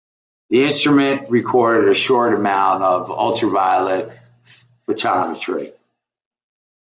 The instrument recorded a short amount of ultraviolet photometry.